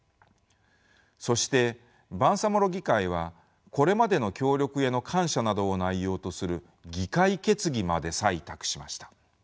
そしてバンサモロ議会はこれまでの協力への感謝などを内容とする議会決議まで採択しました。